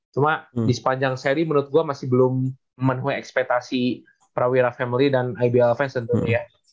cuma di sepanjang seri menurut gue masih belum memenuhi ekspektasi prawira family dan ibl fans tentunya